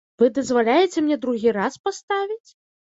Вы дазваляеце мне другі раз паставіць?